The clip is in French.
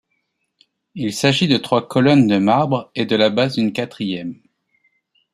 Il s'agit de trois colonnes de marbre, et de la base d'une quatrième.